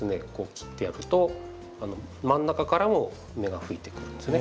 切ってやると真ん中からも芽が吹いてくるんですね。